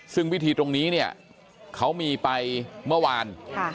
ซึ่งวิธีตรงนี้เนี่ยเขามีไปเมื่อวาน